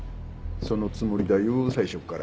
そのつもりだよ最初から。